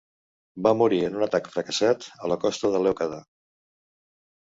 Va morir en un atac fracassat a la costa de Lèucada.